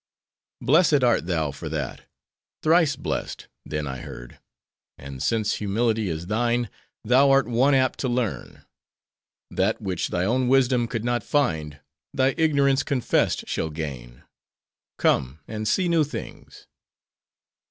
"'Blessed art thou for that: thrice blessed,' then I heard, and since humility is thine, thou art one apt to learn. That which thy own wisdom could not find, thy ignorance confessed shall gain. Come, and see new things.